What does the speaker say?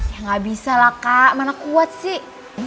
ya gak bisa lah kak mana kuat sih